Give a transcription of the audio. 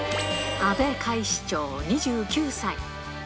阿部海士長２９歳。